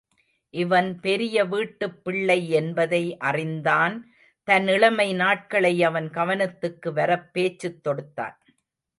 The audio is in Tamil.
இவன் பெரிய வீட்டுப்பிள்ளை என்பதை அறிந்தான் தன் இளமை நாட்களை அவன் கவனத்துக்கு வரப் பேச்சுத் தொடுத்தான்.